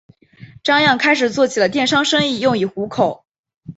张漾开始做起了电商生意用以糊口。